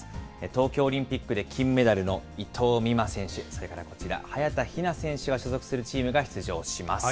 東京オリンピックで金メダルの伊藤美誠選手、それからこちら、早田ひな選手が所属するチームが出場します。